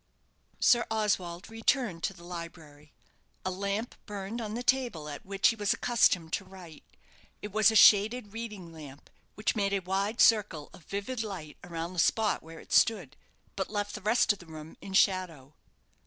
Sir Oswald returned to the library. A lamp burned on the table at which he was accustomed to write. It was a shaded reading lamp, which made a wide circle of vivid light around the spot where it stood, but left the rest of the room in shadow.